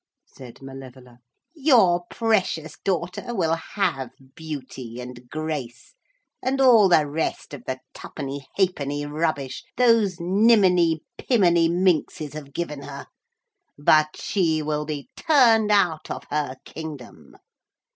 'Humph!' said Malevola, 'your precious daughter will have beauty and grace and all the rest of the tuppenny halfpenny rubbish those niminy piminy minxes have given her. But she will be turned out of her kingdom.